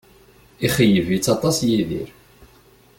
Ixeyyeb-itt aṭas Yidir